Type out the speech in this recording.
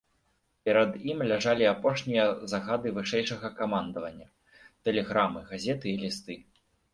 Перад ім ляжалі апошнія загады вышэйшага камандавання, тэлеграмы, газеты і лісты.